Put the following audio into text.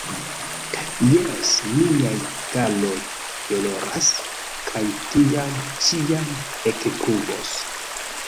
Jes, miaj kaloj doloras, kaj tiam ĉiam ekpluvos.